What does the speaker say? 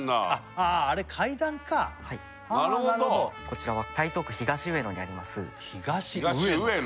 あれ階段かはいなるほどこちらは台東区東上野にあります東上野？